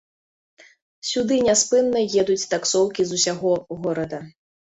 Сюды няспынна едуць таксоўкі з усяго горада.